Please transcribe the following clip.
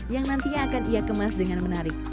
yang nantinya akan ia kemas dengan menarik